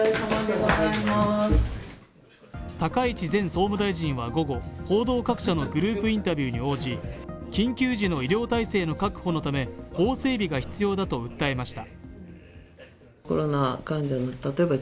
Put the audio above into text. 高市前総務大臣は午後、報道各社のグループインタビューに応じ、緊急時の医療体制の確保のため法整備が必要だと訴えました。